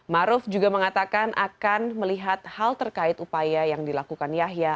maruf juga mengatakan akan melihat hal terkait upaya yang dilakukan yahya